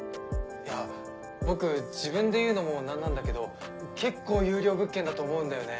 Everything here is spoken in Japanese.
いや僕自分で言うのも何なんだけど結構優良物件だと思うんだよね。